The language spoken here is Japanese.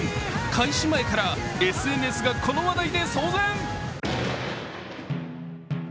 開始前からＳＮＳがこのワードで騒然。